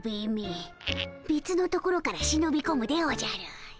べつのところからしのびこむでおじゃる！